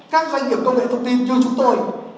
các doanh nghiệp công nghệ thông tin cho chúng tôi